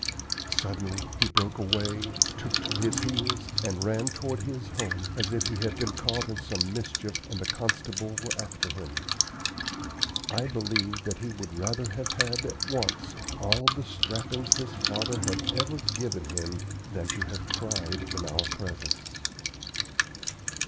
Suddenly he broke away, took to his heels, and ran toward his home, as if he had been caught in some mischief and the constable were after him. I believe that he would rather have had at once all the strappings his father had ever given him than to have cried in our presence.